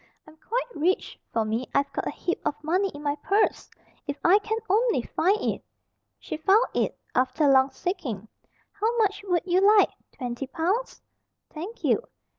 "I'm quite rich, for me. I've got a heap of money in my purse, if I can only find it." She found it, after long seeking. "How much would you like twenty pounds?" "Thank you."